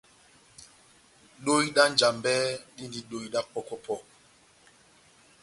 Dohi dá Njambɛ díndi dóhi dá pɔ́kwɛ-pɔkwɛ.